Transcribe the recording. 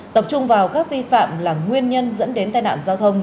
tập trung vào các vi phạm là nguyên nhân dẫn đến tai nạn giao thông